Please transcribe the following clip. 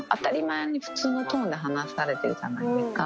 普通のトーンで話されてるじゃないですか。